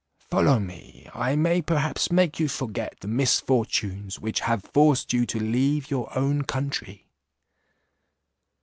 Follow me; I may perhaps make you forget the misfortunes which have forced you to leave your own country."